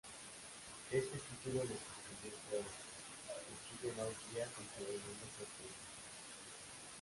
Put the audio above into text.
Ese título le confirió fueros, que siguen hoy día contribuyendo prosperidad.